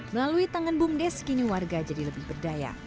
melalui tangan bumdes kini warga jadi lebih berdaya